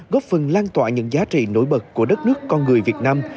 góp phần lan tỏa những giá trị nổi bật của đất nước con người việt nam